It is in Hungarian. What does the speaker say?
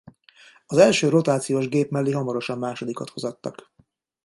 Az első rotációs gép mellé hamarosan másodikat hozattak.